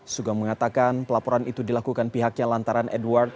sugang mengatakan pelaporan itu dilakukan pihaknya lantaran edward